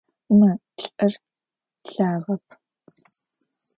Мы лӏыр лъагэп.